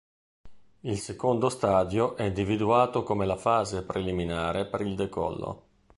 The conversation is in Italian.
Il secondo stadio è individuato come la fase preliminare per il decollo.